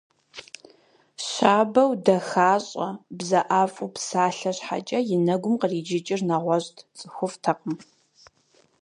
Щабэу дахащӏэ, бзэӏэфӏу псалъэ щхьэкӏэ и нэгум къриджыкӏыр нэгъуэщӏт – цӏыхуфӏтэкъым.